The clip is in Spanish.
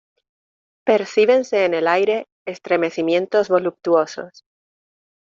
percíbense en el aire estremecimientos voluptuosos: